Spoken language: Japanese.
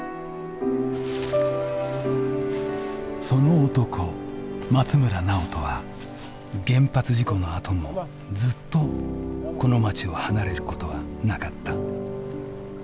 その男松村直登は原発事故のあともずっとこの町を離れることはなかった。